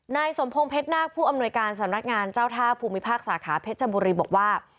นายสมพงศ์เพชรนาคผู้อำนวยการสำนักงานเจ้าท่าภูมิภาคสาขาเพชรบุรีบอกว่า